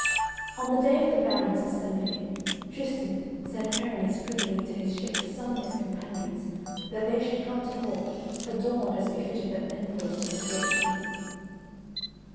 On the day of the barons' assembly, Tristan sent Perinis privily to his ship to summon his companions that they should come to court adorned as befitted the envoys of a great king.